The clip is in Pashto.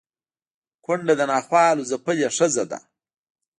کونډه د ناخوالو ځپلې ښځه ده